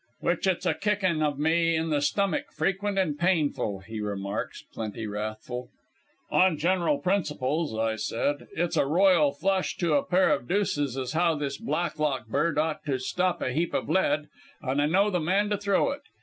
"'Which it's a kicking of me in the stummick frequent and painful,' he remarks, plenty wrathful. "'On general principles,' I said, 'it's a royal flush to a pair of deuces as how this Blacklock bird ought to stop a heap of lead, and I know the man to throw it.